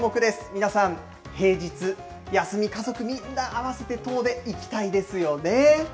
皆さん、平日、休み、家族みんな合わせて遠出行きたいですよね。